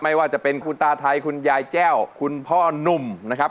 ไม่ว่าจะเป็นคุณตาไทยคุณยายแจ้วคุณพ่อนุ่มนะครับ